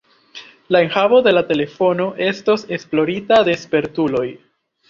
La enhavo de la telefono estos esplorita de spertuloj.